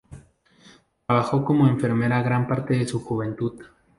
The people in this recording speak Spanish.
Trabajó como enfermera gran parte de su juventud.